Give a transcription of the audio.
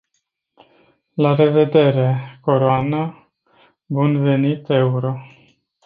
La revedere, coroană, bun venit, euro.